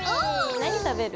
何食べる？